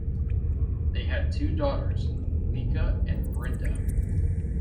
They had two daughters, Mika and Brinda.